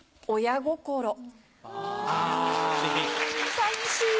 寂しい。